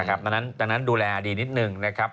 ครับจากนั้นดูแลดีนิดหนึ่งนะครับ